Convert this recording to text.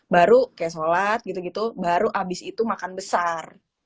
baru kayak sholat gitu gitu baru habis itu makan besar